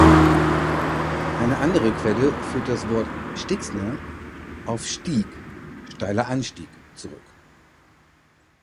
Eine andere Quelle führt das Wort "Stixner" auf Stieg (steiler Anstieg) zurück.